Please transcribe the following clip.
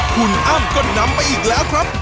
คุณอ้ำก็นำไปอีกแล้วครับ